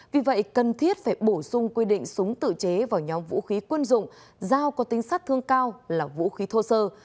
vì vậy cần thiết phải bổ sung quy định súng tự chế vào nhóm vũ khí quân dụng dao có tính sát thương cao là vũ khí thô sơ